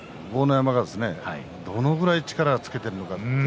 山がどのくらい力をつけているのか